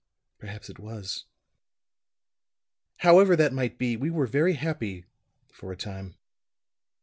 Perhaps it was! "However that might be, we were very happy for a time.